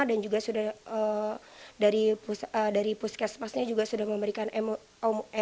dan juga dari puskesmasnya juga sudah memberikan emosinya